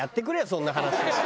そんな話。